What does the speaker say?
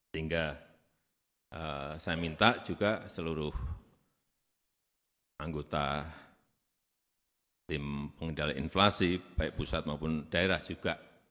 sehingga saya minta juga seluruh anggota tim pengendali inflasi baik pusat maupun daerah juga